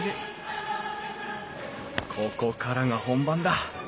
ここからが本番だ。